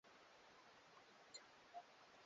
Ni jukumu la mteja kuomba taarifa kuhusu bidhaa